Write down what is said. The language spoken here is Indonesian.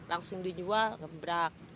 langsung dijual ngebrak